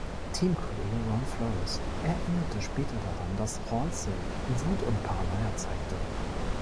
Teamkollege Ron Flores erinnerte später daran, dass Halsey Wut und Paranoia zeigte.